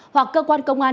hoặc cơ quan công an